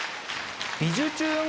「びじゅチューン！